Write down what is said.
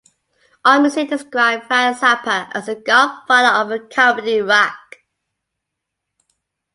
Allmusic described Frank Zappa as the "godfather" of comedy rock.